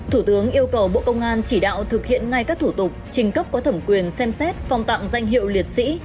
thủ tướng yêu cầu bộ công an chỉ đạo thực hiện ngay các thủ tục trình cấp có thẩm quyền xem xét phong tặng danh hiệu liệt sĩ